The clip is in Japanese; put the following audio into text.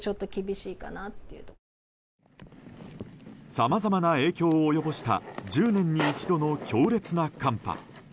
さまざまな影響を及ぼした１０年に一度の強烈な寒波。